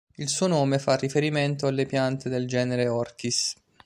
Il suo nome fa riferimento alle piante del genere "Orchis".